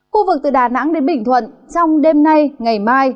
khu vực từ đà nẵng đến bình thuận trong đêm nay ngày mai